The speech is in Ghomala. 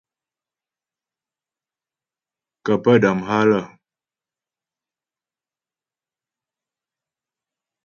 Kə́ pə́ dam há lə́.